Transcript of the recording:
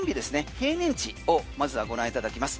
平年値をまずはご覧いただきます。